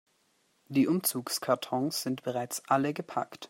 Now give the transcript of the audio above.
Die Umzugskartons sind bereits alle gepackt.